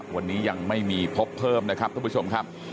วันนี้ยังไม่มีพบเพิ่มนะครับท่านผู้ชมครับ